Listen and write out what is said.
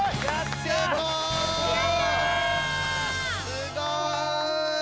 すごい。